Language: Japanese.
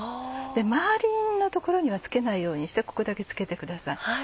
周りの所には付けないようにしてここだけ付けてください。